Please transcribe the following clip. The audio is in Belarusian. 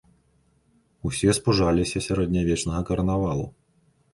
Усе спужаліся сярэднявечнага карнавалу.